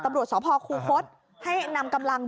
ตำรวจสพคูคศให้นำกำลัง